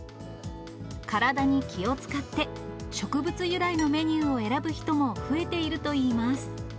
体に気を遣って、植物由来のメニューを選ぶ人も増えているといいます。